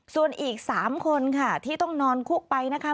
ส่วนอีก๓คนค่ะที่ต้องนอนคุกไปนะคะ